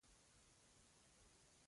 سپي د ماريا پښو ته پرېوت.